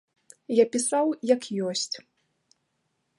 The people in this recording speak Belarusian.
Я пісаў, як ёсць.